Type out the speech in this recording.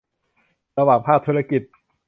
ระหว่างภาคธุรกิจ